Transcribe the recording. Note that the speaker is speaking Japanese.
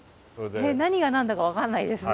何が何だか分かんないですね。